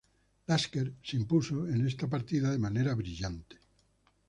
Lasker se impuso en esta partida de manera brillante.